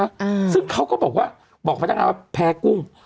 อืมซึ่งเขาก็บอกว่าบอกพนักงานว่าแพ้กุ้ง